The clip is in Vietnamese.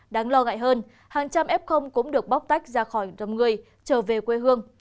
đáng lo ngại hơn hàng trăm f cũng được bóc tách ra khỏi đầm người trở về quê hương